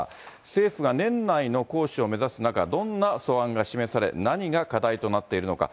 政府が年内の行使を目指す中、どんな素案が示され、何が課題となっているのか。